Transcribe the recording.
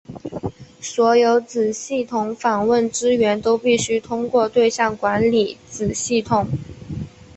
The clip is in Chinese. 所有子系统访问资源都必须通过对象管理子系统。